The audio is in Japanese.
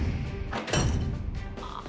ああ。